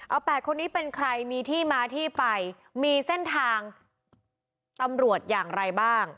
เอา๘คนนี้เป็นใครมีที่มาที่ไปมีเส้นทางตำรวจอย่างไรบ้าง